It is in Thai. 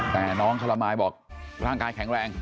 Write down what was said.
แต่น้องคารมายบอกร่างกายแข็งแรง